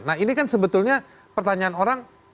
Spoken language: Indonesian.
nah ini kan sebetulnya pertanyaan orang